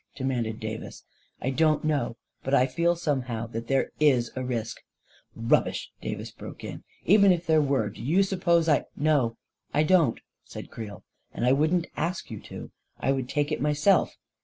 demanded Davis. " I don't know; but I feel somehow that there is a risk •.•" 248 A KING IN BABYLON "Rubbish!" Davis broke in. "Even if there were, do you suppose I ..." 11 No, I don't," said Creel; " and I wouldn't ask you to. I'd take it myself.